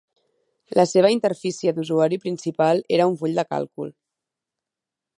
La seva interfície d'usuari principal era un full de càlcul.